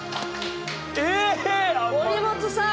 森本さん！